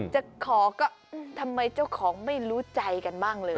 จะขอก็ทำไมเจ้าของไม่รู้ใจกันบ้างเลย